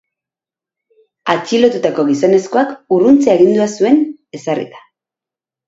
Atxilotutako gizonezkoak urruntze agindua zuen ezarrita.